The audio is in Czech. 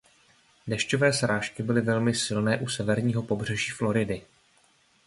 Dešťové srážky byly velmi silné u severního pobřeží Floridy.